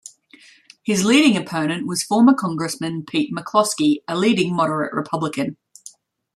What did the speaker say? His leading opponent was former congressman Pete McCloskey, a leading moderate Republican.